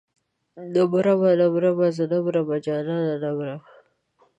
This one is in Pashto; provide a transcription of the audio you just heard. نه مرمه نه مرمه زه نه مرمه جانانه نه مرم.